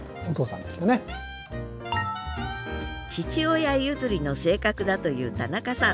父親譲りの性格だという田中さん。